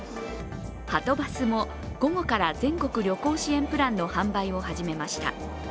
はとバスも、午後から全国旅行支援プランの販売を始めました。